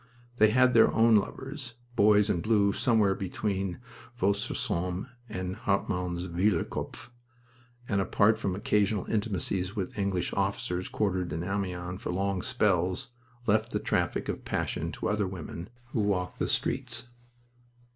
They had their own lovers boys in blue somewhere between Vaux sur Somme and Hartmanns weilerkopf and apart from occasional intimacies with English officers quartered in Amiens for long spells, left the traffic of passion to other women who walked the streets.